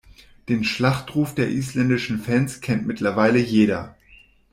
Den Schlachtruf der isländischen Fans kennt mittlerweile jeder.